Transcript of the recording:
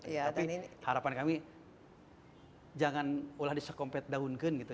tapi harapan kami jangan ulah disekompet daun gen gitu